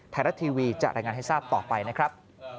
ไทยรัฐทีวีจะรายงานให้ทราบต่อไปนะครับ